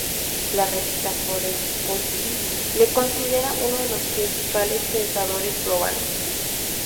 La revista "Foreign Policy" le considera uno de los "principales pensadores globales".